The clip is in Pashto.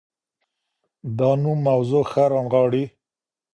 دا نوم موضوع ښه رانغاړي.